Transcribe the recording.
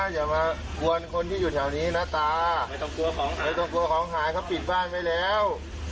อย่ามากวนคนที่อยู่แถวนี้นะตาไม่ต้องกลัวของหายตัวของหายเขาปิดบ้านไว้แล้ว